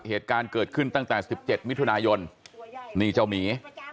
เหตุการณ์เกิดขึ้นตั้งแต่๑๗มิถุนายนนี่เจ้าหมี